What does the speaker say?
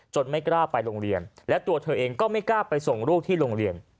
ไม่กล้าไปโรงเรียนและตัวเธอเองก็ไม่กล้าไปส่งลูกที่โรงเรียน